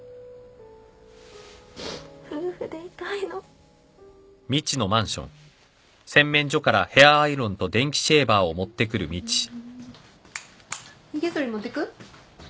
夫婦でいたいの。ひげそり持ってく？